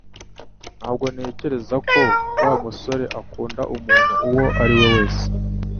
Ntabwo ntekereza ko Wa musore akunda umuntu uwo ari we wese